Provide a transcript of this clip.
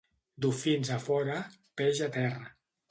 Dofins a fora, peix a terra.